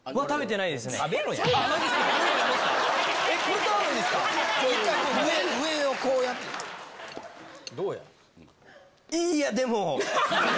いーや、でも。